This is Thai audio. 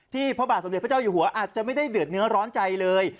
ที่พระบาทสัมเดตพระเจ้าโยธอาจจะไม่ได้เดือดเนื้อร้อนใจเลย